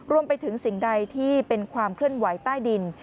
รวมไปถึงสิ่งใดที่เป็นความเคลื่อนไหวใต้ดิน